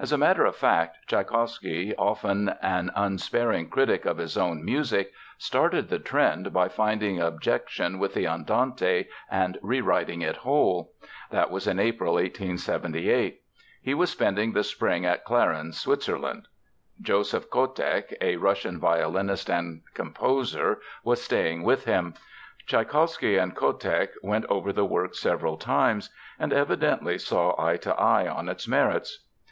As a matter of fact, Tschaikowsky, often an unsparing critic of his own music, started the trend by finding objection with the Andante and rewriting it whole. That was in April, 1878. He was spending the spring at Clarens, Switzerland. Joseph Kotek, a Russian violinist and composer, was staying with him. Tschaikowsky and Kotek went over the work several times, and evidently saw eye to eye on its merits.